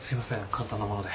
簡単なもので。